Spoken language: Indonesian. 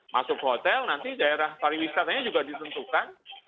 masuk hotel nanti daerah pariwisatanya juga ditentukan